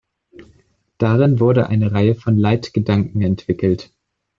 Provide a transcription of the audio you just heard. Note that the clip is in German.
Darin wurde eine Reihe von Leitgedanken entwickelt.